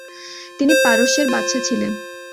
তিনি পারস্যের বাদশাহ ছিলেন।